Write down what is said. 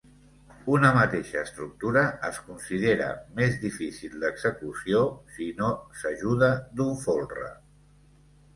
Una mateixa estructura es considera més difícil d'execució si no s'ajuda d'un folre.